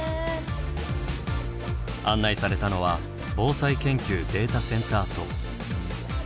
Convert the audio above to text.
案内されたのは防災研究データセンター棟。